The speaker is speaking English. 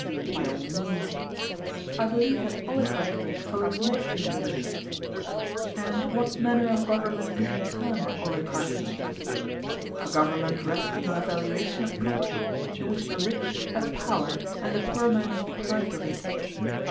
By all means. I believe that oligarchy follows next in order. And what manner of government do you term oligarchy? A government resting on a valuation of property, in which the rich have power and the poor man is deprived of it.